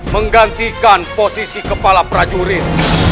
menggantikan posisi kepala prajurit